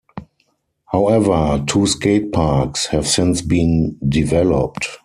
However, two skateparks have since been developed.